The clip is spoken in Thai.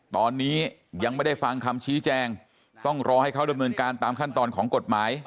ตอนนี้ยังไม่ได้ฟังคำชี้แจงต้องรอให้เขาดำเนินการตามขั้นตอนของกฎหมาย